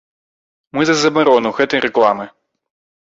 Мы за забарону гэтай рэкламы.